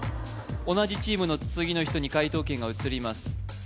同じチームの次の人に解答権が移ります